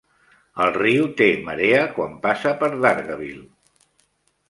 El riu té marea quan passa per Dargaville.